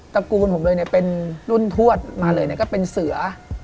ระกูลผมเลยเนี่ยเป็นรุ่นทวดมาเลยก็เป็นเสือ